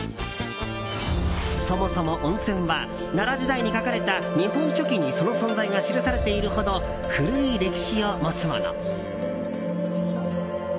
そもそも温泉は奈良時代に書かれた「日本書紀」にその存在が記されているほど古い歴史を持つもの。